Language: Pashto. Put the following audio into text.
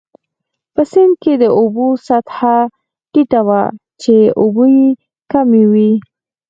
په سیند کې د اوبو سطحه ټیټه وه، چې اوبه يې کمې وې.